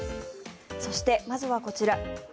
そして、まずはこちら。